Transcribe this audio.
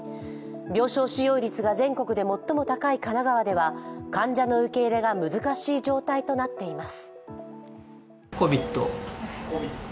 病床使用率が全国で最も高い神奈川では患者の受け入れが難しい状態となっています。